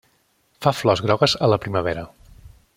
Fa flors grogues a la primavera.